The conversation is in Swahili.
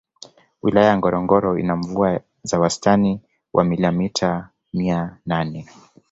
Wilaya Ngorongoro ina mvua za wastani wa milimita mia nane